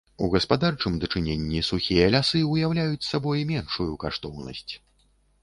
У гаспадарчым дачыненні сухія лясы ўяўляюць сабой меншую каштоўнасць.